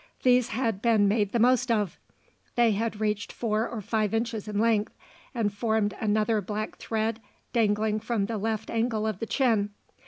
These had been made the most of. They had reached four or five inches in length, and formed another black thread dangling from the left angle of the chin.